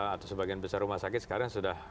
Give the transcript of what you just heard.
atau sebagian besar rumah sakit sekarang sudah